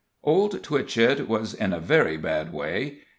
Old Twitchett was in a very bad way.